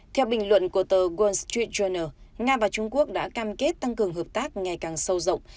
theo bình luận của tờ walls street journal nga và trung quốc đã cam kết tăng cường hợp tác ngày càng sâu rộng